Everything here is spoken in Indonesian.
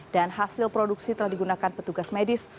dan hasil produksi telah digunakan petugas medis